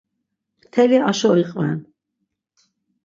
Mteli aşo iqven.